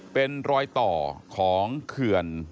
เป็นรอยต่อของเขื่อน